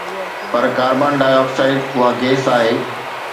پر carbon dioxide اها gas آهي